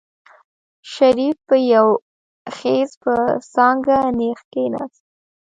شريف په يو خېز په څانګه نېغ کېناست.